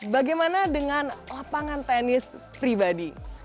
bagaimana dengan lapangan tenis pribadi